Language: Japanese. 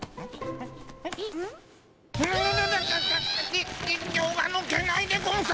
に人形がぬけないでゴンス。